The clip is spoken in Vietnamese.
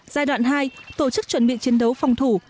giai đoạn hai tổ chức chuẩn bị chiến đấu phòng thủ